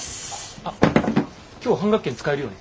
あっ今日半額券使えるよね？